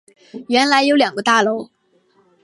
原来有两个大楼